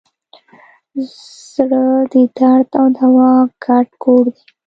زړه د درد او دوا ګډ کور دی.